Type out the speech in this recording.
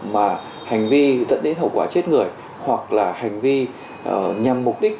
mà hành vi dẫn đến hậu quả chết người hoặc là hành vi nhằm mục đích